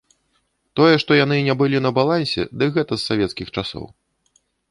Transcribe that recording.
Тое, што яны не былі на балансе, дык гэта з савецкіх часоў.